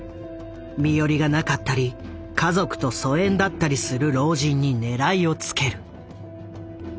身寄りがなかったり家族と疎遠だったりする老人に狙いをつける。